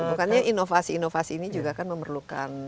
bukannya inovasi inovasi ini juga kan memerlukan